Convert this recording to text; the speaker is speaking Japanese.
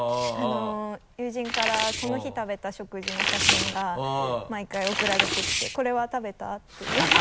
友人からその日食べた食事の写真が毎回送られてきて「これは食べた？」っていう